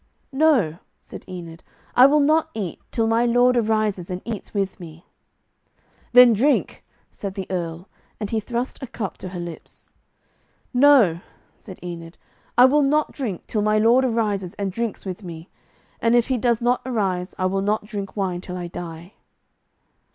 'No,' said Enid, 'I will not eat, till my lord arises and eats with me.' 'Then drink,' said the Earl, and he thrust a cup to her lips. 'No,' said Enid, 'I will not drink, till my lord arises and drinks with me; and if he does not arise, I will not drink wine till I die.'